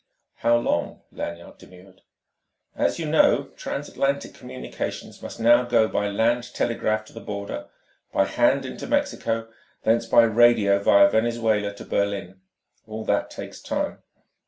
"How long?" Lanyard demurred. "As you know, transatlantic communications must now go by land telegraph to the Border, by hand into Mexico, thence by radio via Venezuela to Berlin. All that takes time.